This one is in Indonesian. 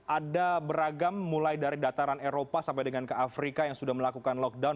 ada beragam mulai dari dataran eropa sampai dengan ke afrika yang sudah melakukan lockdown